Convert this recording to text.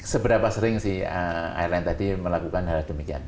seberapa sering si airline tadi melakukan hal demikian